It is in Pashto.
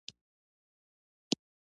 خو موږ دلته تر ډېره مقاومت نه شو کولی.